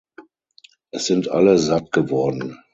Es sind alle satt geworden.